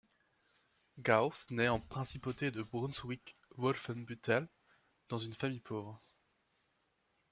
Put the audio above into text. Gauss naît en principauté de Brunswick-Wolfenbüttel, dans une famille pauvre.